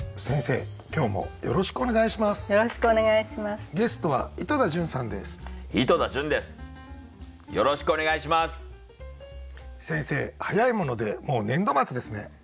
先生早いものでもう年度末ですね。